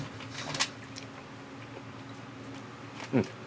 うん。